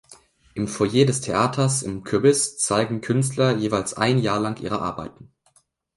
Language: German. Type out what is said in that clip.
Im Foyer des Theaters im Kürbis zeigen Künstler jeweils ein Jahr lang ihre Arbeiten.